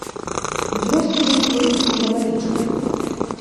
Узрост ёсць толькі ў ялавічыны.